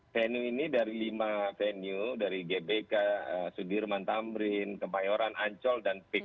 venue ini dari lima venue dari gbk sudirman tamrin kemayoran ancol dan pik